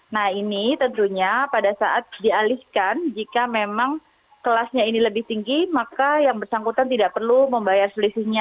nah ini tentunya pada saat dialihkan jika memang kelasnya ini lebih tinggi maka yang bersangkutan tidak perlu membayar selisihnya